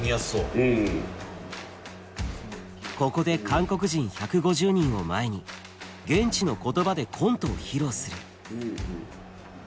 ここで韓国人１５０人を前に現地の言葉でコントを披露する。